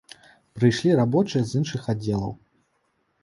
Прыйшлі рабочыя з іншых аддзелаў.